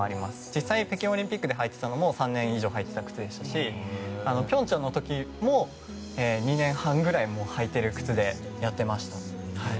実際北京オリンピックで履いてたのも３年以上履いてた靴でしたし平昌の時も２年半ぐらい履いている靴でやってました。